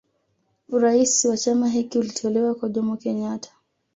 Urais wa chama hiki ulitolewa kwa Jomo Kenyatta